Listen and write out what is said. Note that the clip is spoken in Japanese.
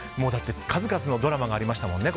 数々のドラマがありましたもんね。